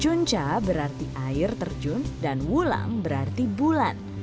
cuncah berarti air terjun dan wulang berarti bulan